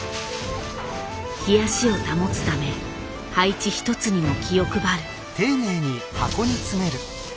冷やしを保つため配置一つにも気を配る。